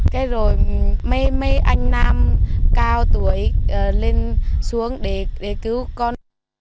cái rồi mấy anh nam cao tuổi lên xuống để cứu con